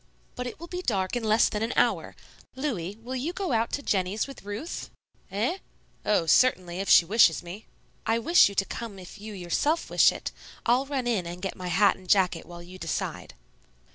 "But it will be dark in less than an hour. Louis, will you go out to Jennie's with Ruth?" "Eh? Oh, certainly, if she wishes me." "I wish you to come if you yourself wish it. I'll run in and get my hat and jacket while you decide."